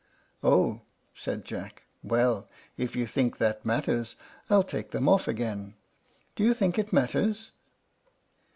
"Oh!" said Jack. "Well, if you think that matters, I'll take them off again. Do you think it matters?"